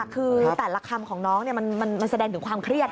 คือแต่ละคำของน้องมันแสดงถึงความเครียด